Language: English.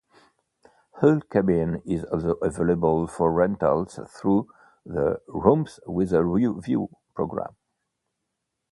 Hull Cabin is also available for rentals through the "Rooms with a View" program.